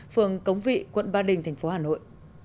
phường cống vị quận ba đình thành phố hà nội